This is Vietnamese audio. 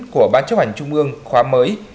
của ban chấp hành trung ương khóa mới